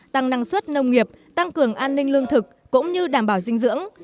tăng năng suất nông nghiệp tăng cường an ninh lương thực cũng như đảm bảo dinh dưỡng